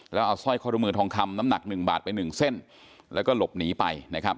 แล้วเอาสร้อยข้อมือทองคำน้ำหนักหนึ่งบาทไปหนึ่งเส้นแล้วก็หลบหนีไปนะครับ